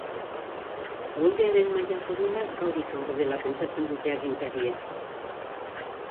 Uholdearen maila gorena gaur izango dela pentsatzen dute agintariek.